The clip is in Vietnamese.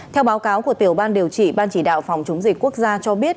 theo báo cáo của tiểu ban điều trị ban chỉ đạo phòng chống dịch quốc gia cho biết